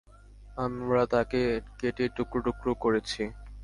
আমরা তাকে কেটে টুকরো টুকরো করেছি।